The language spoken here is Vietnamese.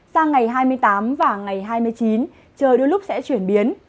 sang ngày hai mươi tám và ngày hai mươi chín trời đôi lúc sẽ chuyển biến